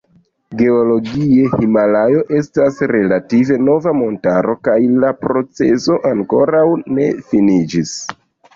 Geologie Himalajo estas relative nova montaro kaj la proceso ankoraŭ ne finiĝis.